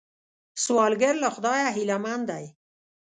سوالګر له خدایه هیلمن دی